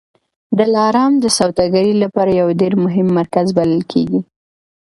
دلارام د سوداګرۍ لپاره یو ډېر مهم مرکز بلل کېږي.